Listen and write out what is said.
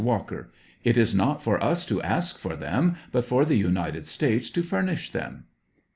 Walker. It is not for us to ask for them, but for the United States to furnish them.